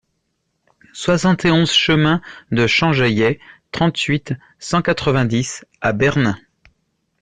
soixante et onze chemin de Champ Jaillet, trente-huit, cent quatre-vingt-dix à Bernin